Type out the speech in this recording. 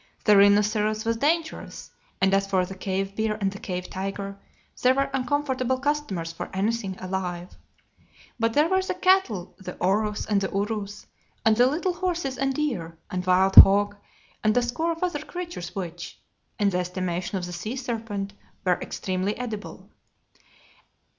The rhinoceros was dangerous, and as for the cave bear and the cave tiger, they were uncomfortable customers for anything alive. But there were the cattle, the aurochs and the urus, and the little horses and deer, and wild hog and a score of other creatures which, in the estimation of the sea serpent, were extremely edible.